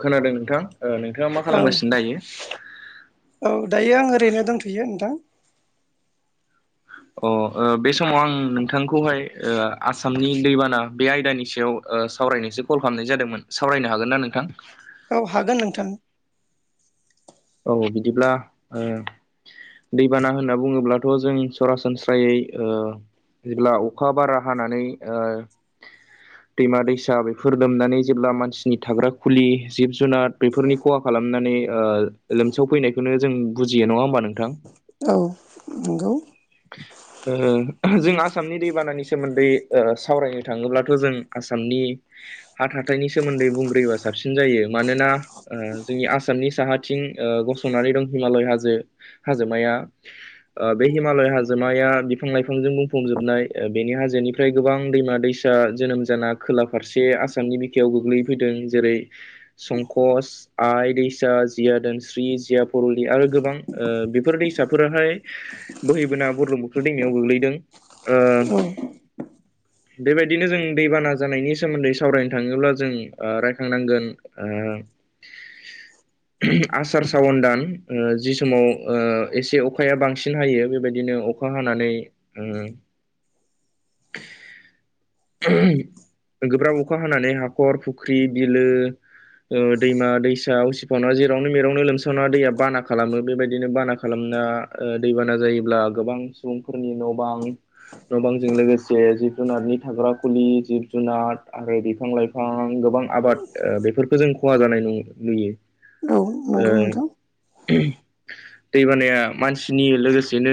खोनादों नोंथां ओ नोंथाङा मा औ खालामगासिनो दायो? औ दायो आं ओरैनो दंथ'यो नोंथां। अ ओ बे समाव आं नोंथांखौहाय ओ आसामनि दैबाना बे आयदानि सायाव ओ सावरायनोसो कल खालामनाय जादोंमोन सावरायनो हागोन ना नोंथां? औ हागोन नोंथां। औ बिदिब्ला ओ दैबाना होनना बुङोब्लाथ' जों सरासनस्रायै ओ जेब्ला अखा बारा हानानै ओ [inaudible] दैमा दैसा बेफोर लोमनानै जेब्ला मानसिनि थाग्रा खुलि जिब जुनार बेफोरनि खहा खालामनानै लोमसाव फैनायखौनो जों बुजियो नङा होमबा नोंथां। औ नंगौ। जों आसामनि दैबानानि सोमोन्दै सावरायनो थाङोब्लाथ' जों आसामनि हा हाथाइनि सोमोन्दै बुंग्रोयोबा साबसिन जायो मानोना जोंनि आसामनि साहाथिं गसंनानै दं हिमालय हाजो हाजोमाया ओ बे हि मालय हाजोमाया बिफां लाइफांजों बुंफुंजोबनाय बेनि हाजोनिफ्राय गोबां दैमा दैसा जोनोम जाना खोला फारसे आसामनि बिखायाव गोग्लैफैदों जेरै संकस आइ दैसा जिया दोनस्रि जिया फरलि आरो गोबां बेफोर दैसाफोराहाय बोहैबोना बुरलुंबुथुर दैमायाव गोग्लैदों ओ औ बेबायदिनो जों दैबाना जानायनि सोमोन्दै सावरायनो थाङोब्ला जों रायखांनांगोन ओ [unintelligible] आसार सावन दान जि समाव एसे अखाया बांसिन हायो। बेबायदिनो अखा हानानै ओ [unintelligible] गोब्राब अखा हानानै हाखर फुख्रि बिलो दैमा दैसा उसिफावना जेरावनो मेरावनो लोमसावना दैया बाना खालामो बेबायदिनो बाना खालामना दैबाना जायोब्ला गोबां सुबुंफोरनि न' बां न बांजों लोगोसे जिब जुनारनि थाग्रा खुलि जिब जुनार आरो बिफां लाइ फां गोबां आबाद बेफोरखौ जों खहा जानाय नु नुयो। औ ओ नंगौ नोंथां दैबानाया मानसिनि लोगोसे बिदिनो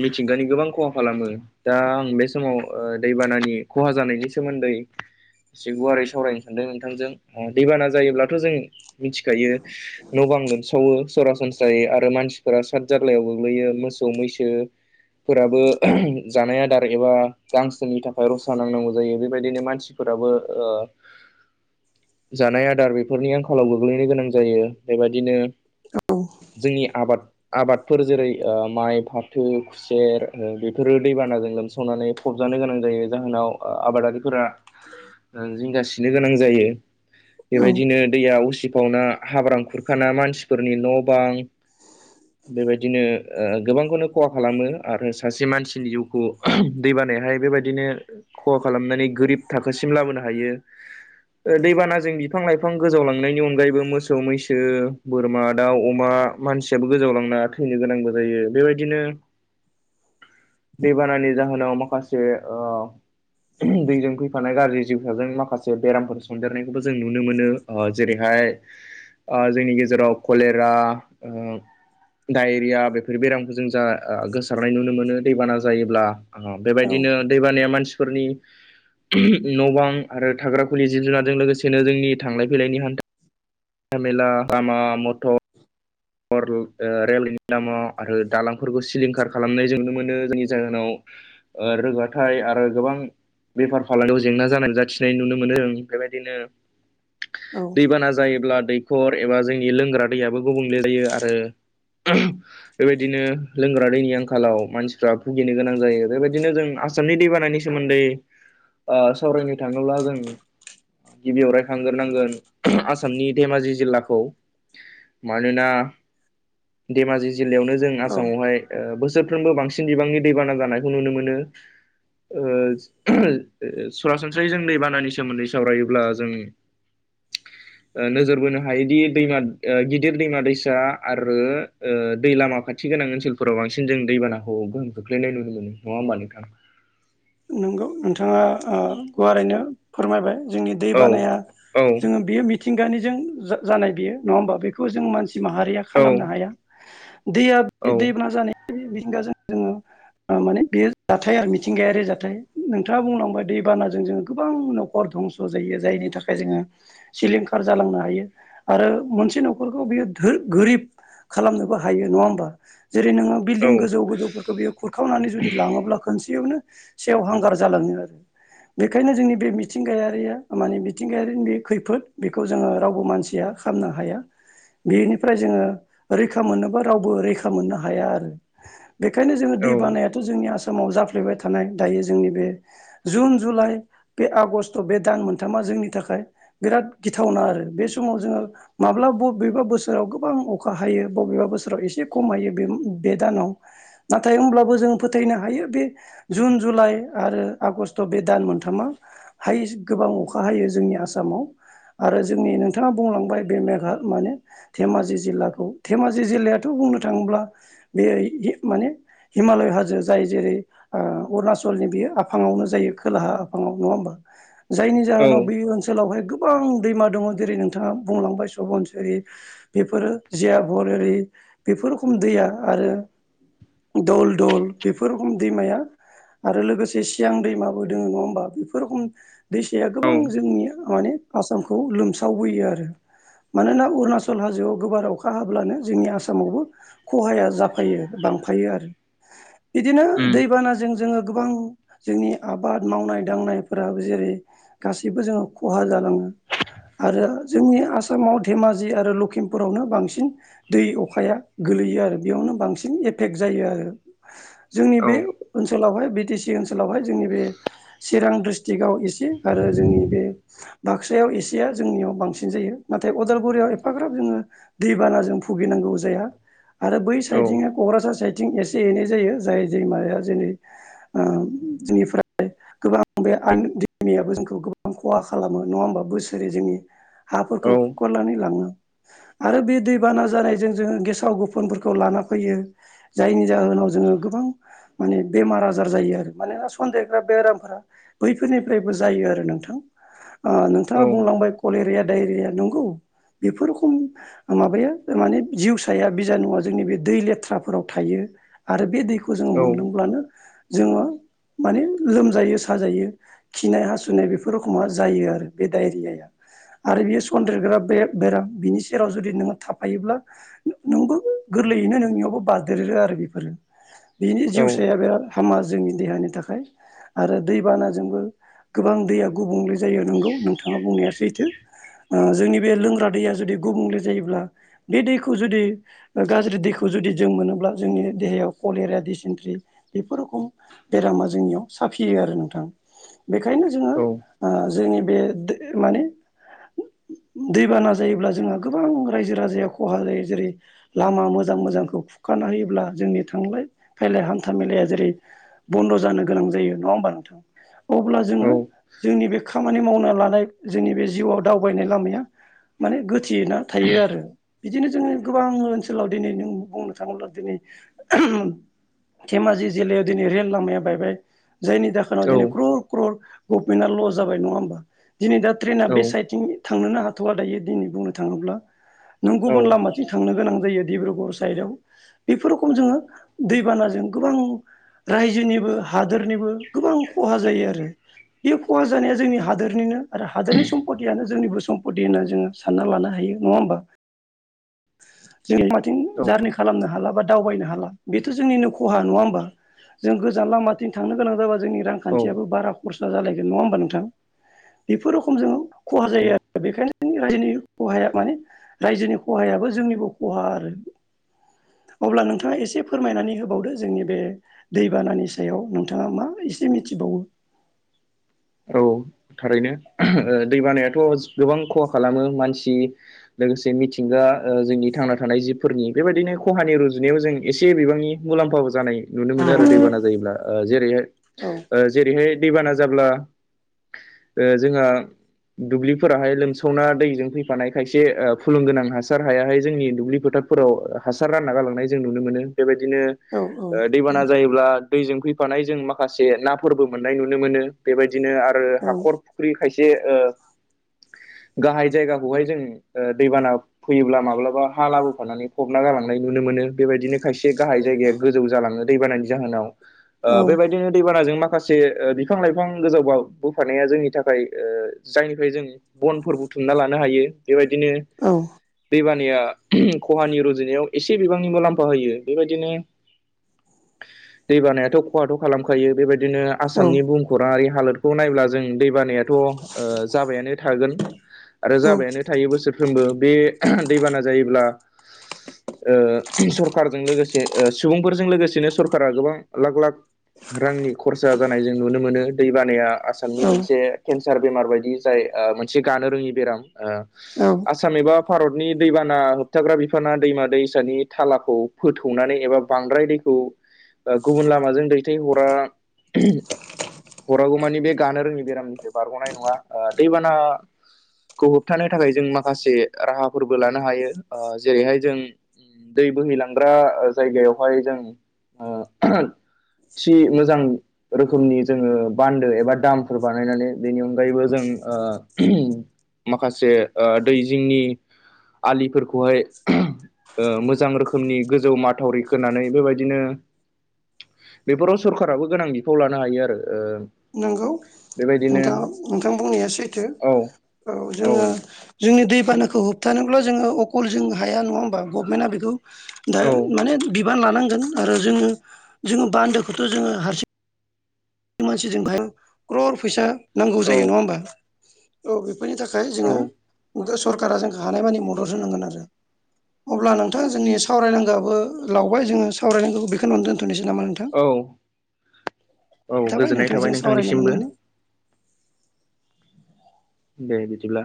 मिथिंगानि गोबां खहा खालामो। दा आं बे समाव दैबानानि खहा जानायनि सोमोन्दै एसे गुवारै सावरायनो सानदों नोंथांजों दैबाना जायोब्लाथ' जों मिथिखायो न' बां लोमसावो सरासनस्रायै आरो मानसिफोरा सादजारलायाव गो गोलैयो मोसौ मैसो फोराबो जानाय आदार एबा गांसोनि थाखाय रसा नांनांगौ जायो बेबायदिनो मानसि फोराबो [unintelligible] जानाय आदार बेफोरनि आंखालाव गोग्लैनो गोनां जायो बेबायदिनो औ जोंनि आबाद आबादफोर जेरै माइ फाथो सेर बेफोरो दैबानाजों लोमसावनानै फबजानो गोनां जायो जाहोनाव आबादारिफोरा जिंगासिनो गोनां जायो औ बेबायदिनो दैया उसिफावना हाब्रां खुरखाना मानसिफोरनि न' बां बेबायदिनो ओ गोबांखौनो खहा खालामो आरो सासे मानसिनि जिउखौ दैबानायाहाय बेबायदिनो खहा खालामनानै गोरिब थाखोसिम लाबोनो हायो। दैबानाजों बिफां लाइफां गोजावलांनायनि अनगायैबो मोसौ मैसो बोरमा दाउ अमा मानसियाबो गोजावलांना थैनो गोनांबो जायो बेबायदिनो दैबानानि जाहोनाव माखासे ओ दैजों फैफानाय गाज्रि जिउसाजों माखासे बेरामफोर सनदेरनायखौबो जों नुनो मोनो ओ जेरैहाय ओ जोंनि गेजेराव कलेरा ओ डायरिया बेफ बेफोर बेरामखौ जों जा गोसारनाय नुनो मोनो दैबाना जायोब्ला औ बेबायदिनो दैबानाया मानसिफोरनि न' बां आरो थाग्रा खुलि जिब जुनारजों लोगोसेनो जोंनि थांलाय फैलायनि हान्था था मेला लामा मथ' थर ओ रेलनि लामा आरो दालांफोरखौ सिलिंखार खालामनाय जों नुनो मोनो जोंनि जाहोनाव ओ रोगाथाइ आरो गोबां बेफार फालांगियाव जेंना जानाय नुजाथिनाय नुनो मोनो ओं बेबायदिनो औ दैबाना जायोब्ला दैखर एबा जोंनि लोंग्रा दैयाबो गुबुंले जायो आरो [inaudible] बेबायदिनो लोंग्रा दैनि आंखालाव मानसिफ्रा भुगिनो गोनां जायो बेबायदिनो जों आस सामनि दैबानानि सोमोन्दै ओ सावरायनो थाङोब्ला जों गिबियाव रायखांगोरनांगोन आसामनि धेमाजि जिल्लाखौ। मानोना धेमाजि जिल्लायावनो जों औ आसामावहाय ओ बोसोरफ्रोमबो बांसिन बिबांनि दैबाना जानायखौ नुनो मोनो। ओ सरासनस्रायै जों दै बानानि सोमोन्दै सावरायोब्ला जों [unintelligible] ओ नोजोर बोनो हायोदि दैमा ओ गिद दिर दैमा दैसा आरो ओ दै लामा खाथि गोनां ओनसोलफोराव बांसिन जों दैबानाखौ गोहोम खोख्लैनाय नुनो मोनो नङा होमबा नोंथां? नंगौ नोंथाङा आ गुवारैनो फोरमायबाय जोंनि दै औ बानाया औ जोङो बेयो मिथिंगानिजों जा-जानाय बेयो नङा होमबा बेखौ जों मानसि माहारिया औ खालामनो हाया। दैया औ दैबाना जानाय मिथिंगाजों जोङो माने बेयो जाथाय आरो मिथिंगायारि जाथ थाय नोंथांङा बुंलांबाय दै बानाजों जोङो गोबां न'खर धंस' जायो जायनि थाखाय जोङो सिलिंखार जालांनो हायो आरो मोनसे न'खरखौ बेयो थो गोरिब खालामनोबो हायो नङा होमबा जेरै नोङो औ बिल्दिं गोजौ गोजौफोरखौ बेयो खुरखावनानै जुदि लाङोब्ला खनसेयावनो सेव हांगार जालांङो आरो। बेखायनो जोंनि बे मिथिंगायारिया माने मिथिंगायारिनि बे खैफोद बेखौ जोङो रावबो मानसिया खालनो हाया। बेनिफ्राय जोङो रैखा मोननोबा रावबो रैखा मोननो हाया आरो। बेखायनो जोङो दै औ बानायाथ' जोंनि आसामाव जाफ्लेबाय थानाय दायो जोंनि बे जुन जुलाइ बे आगष्ट बे दान मोनथामा जोंनि थाखाय बिराद गिथावना आरो बे समाव जोङो माब्ला बबेबा बोसोराव गोबां अखा हायो बबेबा बोसोराव एसे खम हायो बे बे दानाव। नाथाय होमब्लाबो जों फोथायनो हायो बे जुन जुलाइ आरो आगष्ट बे दान मोनथामा हायेस गोबां अखा हायो जोंनि आसामाव। आरो जोंनि नोंथांङा बुंलांबाय बे मेघा माने धेमाजि जिल्लाखौ धेमाजि जिल्लायाथ' बुंनो थाङोब्ला बे ओयै ए माने हिमालय हाजो जाय जेरै ओ अरुणाचलनि बेयो आफाङावनो जायो खोलाहा आफाङाव नङा होमबा? जायनि औ जाहोनाव बे ओनसोलावहाय गोबां दैमा दङ जेरै नोंथाङा बुंलांबाय सबनसेरि बेफोरो जियाभर'रि बेफोर रखम दैया आरो दल दल बेफोर रखम दैमाया आरो लोगोसे सियां दैमाबो दोङ नङा होमबा बेफोर रखम दैसाया औ गोबां जोंनि माने आसामखौ लोमसावबोयो आरो। मानोना अरुणाचल हाजोआव गोबार अखा हाब्लानो जोंनि आसामावबो खहाया जाफायो बांफायो आरो इदिनो उम दैबाना जों जोंङो गोबां जोंनि आबाद मावनाय दांनायफोराबो जेरै गासिबो जोङो खहा जालांङो। आरो जोंनि आसामाव धेमाजि आरो लखिमपुरावनो बांसिन दै अखाया गोलैयो आरो बेयावनो बांसिन एफेक्ट जायो आरो जोंनि औ बे ओनसोलावहाय बि टि सि ओनसोलावहाय जोंनि बे चिरां डिस्ट्रिक्टआव एसे आरो जोंनि बे बाक्सायाव एसेया जोंनियाव बांसिन जायो नाथाय अदालगुरियाव एफाग्राब जोंङो दैबानाजों भुगिनांगौ जाया। आरो बै औ साइडथिंनो क'क्राझार साइडथिं एसे एनै जायो जाय दैमाया जेरै आ जोंनिफाय गोबां बे आ दैमायाबो जोंखौ गोबां खहा खालामो नंङा होमबा बोसोरै जोंनि औ हाफोरखौ खुगारनानै लांङो आरो बे दैबाना जानायजों जोंङो गेसाव गुफोनफोरखौ लाना फैयो जायनि जाहोनाव जोंङो गोबां माने बेमार आजार जायो आरो मानोना सनन्देग्रा बेरामफोरा बैफोरनिफ्रायबो जायो आरो नोंथां ओ नोंथांङा औ बुंलांबाय कलेरिया दायरिया नंगौ बेफोरखम माबाया माने जिउसाया बिजानु जोंनि बे दै लेथ्राफोराव थायो आरो बे दैखौ फोर जोंङो औ मोनलोंब्लानो जोंङो माने लोमजायो साजायो। खिनाय हासुनाय बेफोर रखोमा जायो आरो बे दडायरियाया आरो बेयो सन्देरग्रा बेराम बिनि सेराव जुदि नोंङो थाफायोब्ला नोंबो गोरलैयैनो नोंनियावबो बारदेरो आरो बेफोरो बिनि औ जिउ बे हामा जोंनि देहानि थाखाय आरो दैबानाजोंबो गोबां दैया गुबुंले जायो नंगौ नोंथाङा बुंनाया सैथो ओ जोंनि बे लोंग्रा दैया जुदि गुबुंले जायोब्ला बे दैखौ जुदि गाज्रि दैखौ जुदि जों मोनोब्ला जोंनि देहायाव कलेरिया दिसिन्ट्रि बेफोर रोखम बेरामा जोंनियाव साफियो आरो नोंथां बेनिखायनो जों औ। आ जोंनि बे माने दैबाना जायोब्ला जोंहा गोबां रायजो राजाया खहा जायो जेरै लामा मोजां मोजांखौ खुरखानो होायोब्ला जोंनि थांलाय फैलाय हांखो हान्था मेलाया जेरै बन्द' जानो गोनां जायो नङा होमबा नोंथां अब्ला जोङो जोंनि बे खामानि मावना लानाय जोंनि बे जिउआव दावबायनाय लामाया माने गोथेया थायो आरो बिदिनो जोङो गोबां ओनसोलाव दिनै नों बुंनो थाङोब्ला दिनै धेमाजि जिल्लायाव दिनै रेल लामाया बायबाय जायनि जाहोनाव दिनै क्रर क्रर गभमेन्टआ लस जाबाय नङा होमबा दिनै दा ट्रेना बे साइथिं थांनोनो हाथ'वा दायो दिनै बुंनो थाङोब्ला नों औ गुबुन लामा थांनो गोनां जायो डिब्रुगङ साइदाव बेफोर रोखोम दैबानाजों गोबां रायजोनिबो हादोरनिबो गोबां खहा जायो आरो बे खहा जानाया जोंनि हादोरनिनो आरो हादोरनि सम्पतियानो जोंनिबो सम्पति होनना जोङो सानना लानो हायो नङा होमबा? जों मथिं जारनि खालामनो हाला बा दावबायनो हाला बेथ' जोंनि खहा नङा होमबा? जों गोजान लामाथिं थांनो गोनां जाबा जोंनि औ रांखान्थियाबो बारा खरसा जालायगोन नङा होमबा नोंथां? बेफोर रोखोम जों खहा जायो औ आरो बेखायनो जोंनि रायजोनि खहाया माने रायजोनि खहायाबो जोंनिबो खहा आरो अब्ला नोंथाङा एसे फोरमायनानै होबावदो जोंनि बे दैबानानि सायाव नोंथाङा मा एसे मिथिबावो? औ थारैनो दै बानायाथ' गोबां खहा खालामो मानसि लोगोसे मिथिंगा ओ जोंनि थांना थानाय जिबफोरनि बेबायदिनो खहानि रुजुनायाव जों एसे बिबांनि मुलाम्फाबो जानाय नुनो मोनो आरो दैबाना जायोब्ला ओ जेरैहाय औ जेरैहाय दैबाना जाब्ला ओ जोंहा दुब्लिफोराहाय लोमसावना दैजों फैफानाय खायसे ओ फुलुं गोनां हासार हायाहाय जोंनि दुब्लि फोथार फोराव हासार रानना गालांनाय जों नुनो मोनो बेबायदिनो औ औ ओ दैबाना नंगौ जायोब्ला दैजों फैफानाय जों माखासे नाफोरबो मोननाय नुनो मोनो बेबायदि दिनो आरो औ हाखर फुख्रि खायसे ओ गाहाय जायगाखौहाय ओ जों ओ दैबाना फैयोब्ला माब्लाबा हा लाबोफानानै फबना गालांनाय नुनो मोनो बेबायदिनो खायसे गाहाय जायगाया गोजौ जाालाङो दैबानानि जाहोनाव ओ औ बेबायदिनो दैबानाजों माखा खासे ओ बिफां लाइफां गोजावबाव बोफानाया जोंनि थाखाय ओ जायनिफ्राय जों बनफोर बुथुमना लानो हायो बेबायदिनो औ। दैबानाया खहानि रुजुनायाव एसे बिबांनिबो मुलाम्फा होयो बेबायदिनो [inaudible] दैबानायाथ' खहाथ' खालामखायो बेबायदिनो औ आसामनि भुमखौराङारि हालोदखौ नायब्ला जों दै बानाया थ' ओ जाबायानो थागोन आरो औ जाबायानो थायो बोसोरफ्रोमबो बे दैबाना जायोब्ला ओ सरखारजों लोगोसे ओ सुबुंफोरजों लोगोसेनो सरखारा गोबां लाख लाख रांनि खरसा जानाय जों नुनो मोनो दै बानाया आसामनि औ मोनसे केन्सार बेमार बायदि जाय ओ मोनसे गानो रोङि बेराम ओ औ आसाम एबा भारतनि दैबाना होबथाग्रा बिफाना दैमा दैसानि थालाखौ फोथौनानै एबा बांद्राय दै ओ गुबुन लामाजों दैथाय हरा हरागौ मानि बे गानो रोङि बेरामनिफ्राय बारग'नाय नङा ओ दैबाना खौ होबथानो थाखाय जों माखासे राहाफोरबो लानो हायो ओ जेरैहाय जों दै बोहैलांग्रा ओ जायगायावहाय जों ओ थि मोजां रोखोमनि जोङो बान्दो एबा दामफोर बानायनानै बेनि अनगायैबो जों ओ माखासे ओ दै जिंनि आलिफोरखौहाय ओ मोजां रोखोमनि गोजौ माथावरि खोनानै बेबायदिनो बेफोराव सरखाराबो गोनां बिफाव लानो हायो आरो ओ नंगौ बेबायदिनो नोंथाङा नोंथां बुंनाया सैथो औ औ जोङो जोंनि दैबानाखौ होबथानोब्ला जोङो अकल जों हाया नङा होमबा गभनमेन्टआ बेखौ दा माने बिबान लानांगोन आरो जोङो जोङो बान्दोखौथ' जोङो हारसिं मानसिजों हाया ख्रर फैसा नांगौ औ जायो नङा होमबा? औ बेफोरनि थाखाय जोङो औ [unintelligible] सरकारा जोंखो हानाय मानि मदद होनांगोन आरो। अब्ला नोंथां जोंनि सावरायनांगौआबो लावबाय जोङो सावरायनांगौ बेखोनियावनो दोनथ'नोसै नामा नोंथां? औ औ गोजोननाय थाबाय नोंथांजों सावरायनो नोंथांनिसिमबो। मोननानै दे बिदिब्ला।